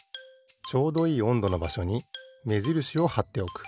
ちょうどいいおんどのばしょにめじるしをはっておく。